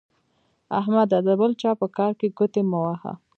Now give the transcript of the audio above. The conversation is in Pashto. احمده د بل چا په کار کې ګوتې مه وهه.